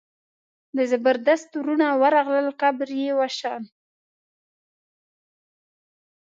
د زبردست وروڼه ورغلل قبر یې وشان.